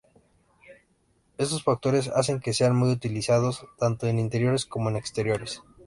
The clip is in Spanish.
Estos factores hacen que sean muy utilizados tanto en interiores como en exteriores.